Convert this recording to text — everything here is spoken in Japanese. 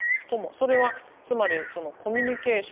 それはつまりコミュニケーションという。